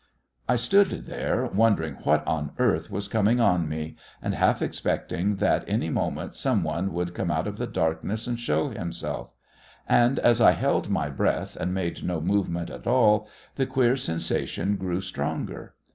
I stood there, wondering what on earth was coming on me, and half expecting that any moment some one would come out of the darkness and show himself; and as I held my breath and made no movement at all the queer sensation grew stronger.